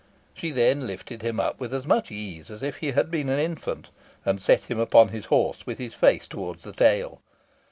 She then lifted him up with as much ease as if he had been an infant, and set him upon his horse, with his face towards the tail.